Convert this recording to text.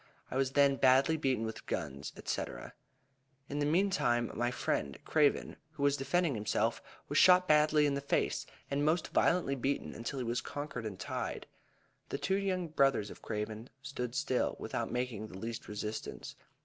I was then badly beaten with guns, &c. In the meantime, my friend Craven, who was defending himself, was shot badly in the face, and most violently beaten until he was conquered and tied. The two young brothers of Craven stood still, without making the least resistance.